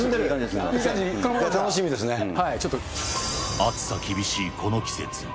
暑さ厳しいこの季節。